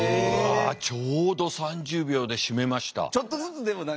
ちょうど３０秒で締めました。